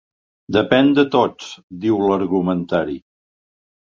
Depèn de tots, diu l’argumentari.